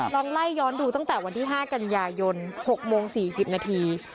ลองไล่ย้อนดูตั้งแต่วันที่๕กันยายน๖โมง๔๐นาที